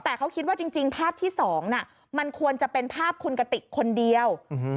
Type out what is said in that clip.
แต่เขาคิดว่าจริงภาพที่๒มันควรจะเป็นภาพคุณกติกคนเดียว